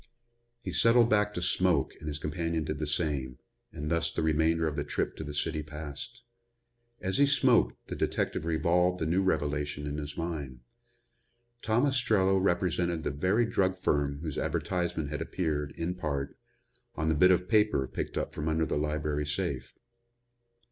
He settled back to smoke and his companion did the same, and thus the remainder of the trip to the city passed. As he smoked the detective revolved the new revelation in his mind. Tom Ostrello represented the very drug firm whose advertisement had appeared, in part, on the bit of paper picked up from under the library safe.